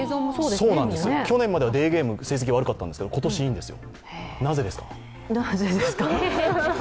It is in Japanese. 去年まではデーゲームの成績が悪かったんですけど、今年、いいんですよ。